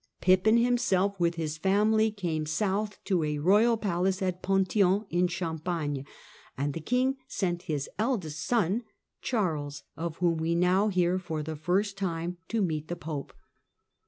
Pippin himself with his family came south to a royal dace at Ponthion, in Champagne, and the king sent is eldest son Charles, of whom we now hear for the .*st time, to meet the Pope.